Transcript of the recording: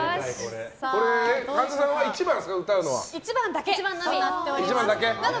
神田さんは歌うのは１番ですか？